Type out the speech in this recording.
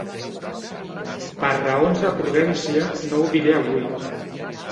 Per raons de prudència no ho diré avui.